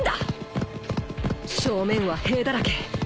正面は兵だらけ